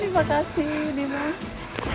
terima kasih nimas